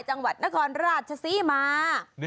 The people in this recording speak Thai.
จังหวัดนครราชศรีมา